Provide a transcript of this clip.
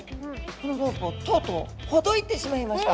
このロープをとうとうほどいてしまいました。